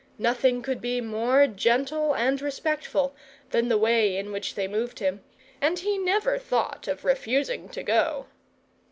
Nothing could be more gentle and respectful than the way in which they moved him; and he never thought of refusing to go.